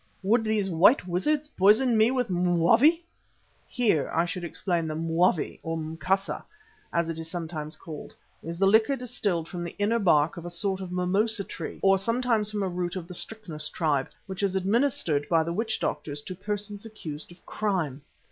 Would these white wizards poison me with mwavi?" Here I should explain that mwavi or mkasa, as it is sometimes called, is the liquor distilled from the inner bark of a sort of mimosa tree or sometimes from a root of the strychnos tribe, which is administered by the witch doctors to persons accused of crime.